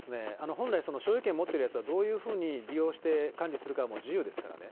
本来、所有権を持っているやつがどういうふうに利用して管理するかはもう自由ですからね。